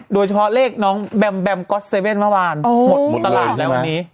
โดยเฉพาะเลขน้องแบมแบมก๊อตเว่นเมื่อวานหมดตลาดแล้ววันนี้